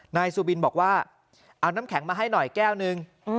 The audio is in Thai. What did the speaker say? นายสุบินบอกว่าเอาน้ำแข็งมาให้หน่อยแก้วนึง